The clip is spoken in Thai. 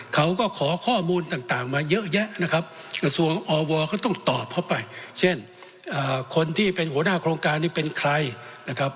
เขาก็ขอข้อมูลต่างมาเยอะแยะนะครับกระทรวงอวก็ต้องตอบเข้าไปเช่นคนที่เป็นหัวหน้าโครงการนี้เป็นใครนะครับ